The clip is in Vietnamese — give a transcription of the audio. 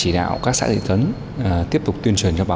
đang thực hiện trồng hoa